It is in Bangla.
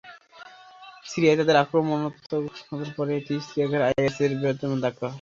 সিরিয়ায় তাদের আক্রমণাত্মকতার পরে, এটি ইরাকের আইএসসি-র বৃহত্তম ধাক্কা।